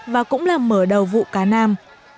và cũng là mở đầu vụ cá nam